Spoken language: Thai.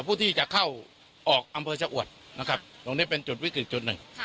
ผู้ที่จะเข้าออกอำเภอชะอวดนะครับตรงนี้เป็นจุดวิกฤตจุดหนึ่ง